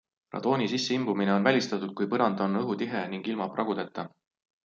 Radooni sisseimbumine on välistatud, kui põrand on õhutihe ning ilma pragudeta.